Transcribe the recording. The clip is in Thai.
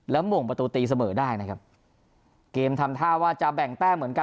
หม่งประตูตีเสมอได้นะครับเกมทำท่าว่าจะแบ่งแต้มเหมือนกัน